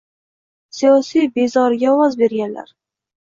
«siyosiy bezori»ga ovoz berganlar